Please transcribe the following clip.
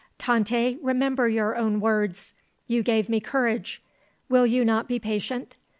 "Tante; remember your own words. You gave me courage. Will you not be patient?